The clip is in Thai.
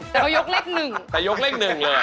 แต่เขายกเลขหนึ่งเอ้าอร่อยครับแต่ยกเลขหนึ่งเลย